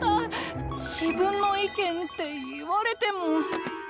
自分の意見って言われても。